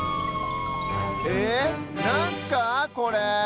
えなんすかこれ？